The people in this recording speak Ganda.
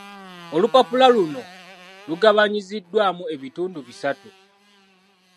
Olupapula luno lugabanyiziddwamu ebitundu bisatu.